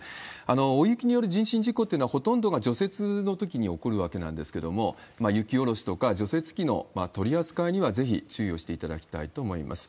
大雪による人身事故というのは、ほとんどが除雪のときに起こるわけなんですけれども、雪下ろしとか除雪機の取り扱いには、ぜひ注意をしていただきたいと思います。